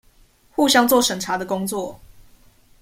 互相做審查的工作